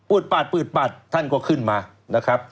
ปัดปืดปัดท่านก็ขึ้นมานะครับ